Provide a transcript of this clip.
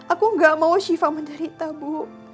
aku nggak mau syifa menderita bu